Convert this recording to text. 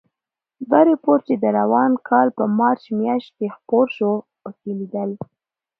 دا رپوټ چې د روان کال په مارچ میاشت کې خپور شو، پکې لیدل